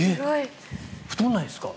太らないですか？